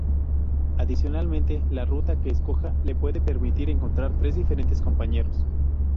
Adicionalmente, la ruta que escoja le puede permitir encontrar a tres diferentes compañeros.